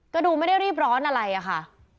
ก็ดูไม่ได้รีบร้อนอะไรอะค่ะ